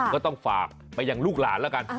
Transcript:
ก็ต้องฝากไปยังลูกหลานแล้วกัน